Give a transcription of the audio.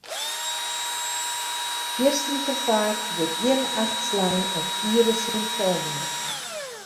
Fierstente faak wurdt gjin acht slein op iere symptomen.